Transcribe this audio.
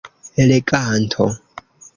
leganto